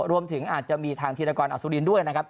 รวมถึงอาจจะมีทางธีรกรอสุรินด้วยนะครับ